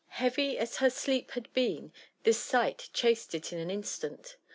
Heavy as her sleep bad been, this sight chased it in «a instant.